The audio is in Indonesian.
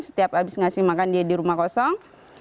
setiap habis ngasih makan dia di rumah kosong